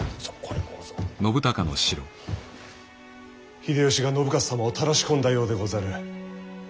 秀吉が信雄様をたらし込んだようでござる。